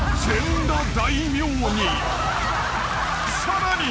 ［さらに］